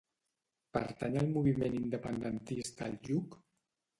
Pertany al moviment independentista el Lluc?